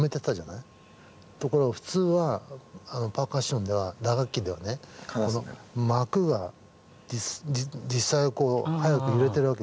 ところが普通はパーカッションでは打楽器ではねこの膜が実際はこう速く揺れてるわけですね。